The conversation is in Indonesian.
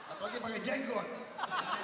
apalagi panggil jengkot